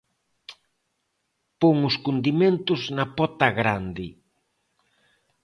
Pon os condimentos na pota grande